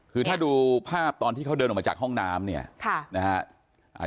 คือถ้าดูภาพตอนที่เขาเดินออกมาจากห้องน้ำเนี่ยค่ะนะฮะ